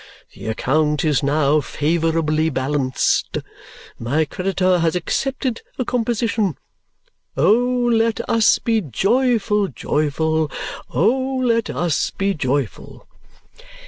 The account is now favourably balanced: my creditor has accepted a composition. O let us be joyful, joyful! O let us be joyful!"